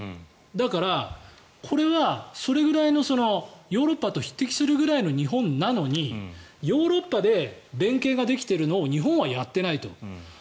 だから、これはそれぐらいのヨーロッパと匹敵するぐらいの日本なのにヨーロッパで連携ができているのを日本はやっていないと。